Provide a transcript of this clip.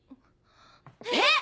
えっ！